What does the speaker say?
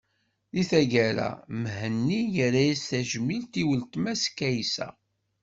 Di taggara, Mhenni yerra-as tajmilt i weltma-s Kaysa.